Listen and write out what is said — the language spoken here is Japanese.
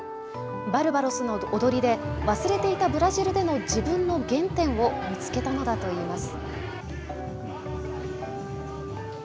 バルバロスの踊りで忘れていたブラジルでの自分の原点を見つけたのだといいます。